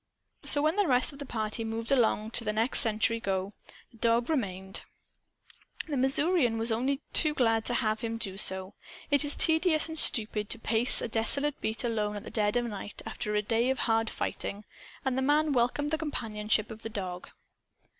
So, when the rest of the party moved along to the next sentry go, the dog remained. The Missourian was only too glad to have him do so. It is tedious and stupid to pace a desolate beat, alone, at dead of night, after a day of hard fighting. And the man welcomed the companionship of the dog.